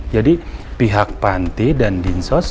jadi pihak panti dan dinsos